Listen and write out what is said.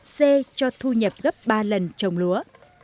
dê cho thu nhập gấp ba lần trồng lúa